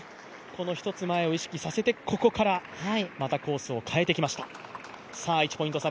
１つ前を意識させてここからまたコースを変えてきました。